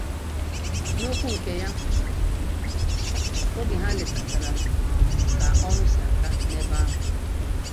N'okwu nke ya oge ha letachara ka ọrụ si aga n'ebe ahụ